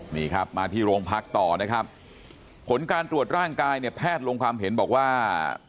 นี่ครับมาที่โรงพักต่อนะครับผลการตรวจร่างกายเนี่ยแพทย์ลงความเห็นบอกว่า